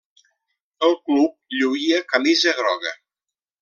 El club lluïa camisa groga.